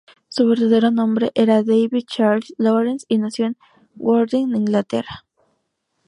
Su verdadero nombre era David Charles Lawrence, y nació en Worthing, Inglaterra.